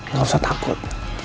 gak usah takut